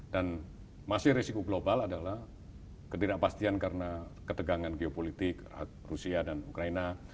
dan masih risiko global adalah ketidakpastian karena ketegangan geopolitik rusia dan ukraina